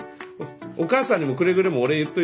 お母さんにもくれぐれもお礼言っといて。